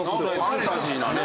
ファンタジーなね。